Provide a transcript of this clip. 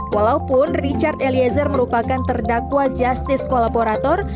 walaupun richard eliezer merupakan terdakwa justice kolaborator